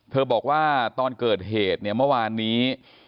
บอกว่าตอนเกิดเหตุเนี่ยเมื่อวานนี้